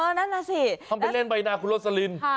เออนั้นแหละสิทำเป็นเล่นใบนาคุณโรชลินค่ะ